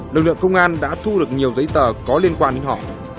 lực lượng công an đã thu được nhiều giấy tờ có liên quan đến họ